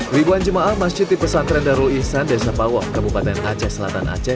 ribuan jemaah masjid di pesantren darul ihsan desa bawang kabupaten aceh selatan aceh